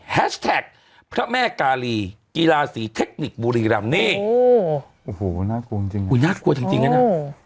แท็กพระแม่กาลีกีฬาสีเทคนิคบุรีรำนี่โอ้โหน่ากลัวจริงอุ้ยน่ากลัวจริงนะ